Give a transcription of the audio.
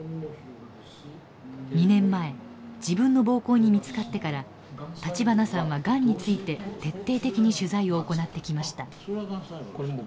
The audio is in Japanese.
２年前自分の膀胱に見つかってから立花さんはがんについて徹底的に取材を行ってきました。